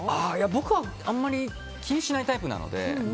僕はあまり気にしないタイプなので。